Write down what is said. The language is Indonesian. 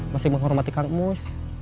masih menghormati kang mus